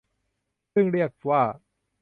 ซึ่งเรียกว่า